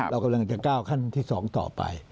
เรากำลังจะก้าวขั้นที่๒ต่อไป